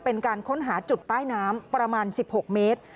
เป็นการค้นหาจุดใต้น้ำประมาณ๑๖เมตร